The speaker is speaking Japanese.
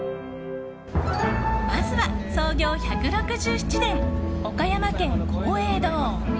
まずは創業１６７年岡山県、廣榮堂。